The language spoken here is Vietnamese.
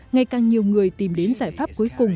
ngày càng nhiều người tìm đến giải pháp cuối cùng